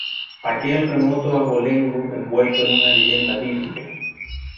aquel remoto abolengo envuelto en una leyenda bíblica.